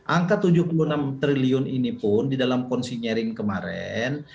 angka rp tujuh puluh enam triliun ini pun di dalam konsinyering kemarin